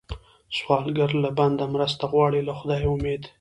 سوالګر له بنده مرسته غواړي، له خدایه امید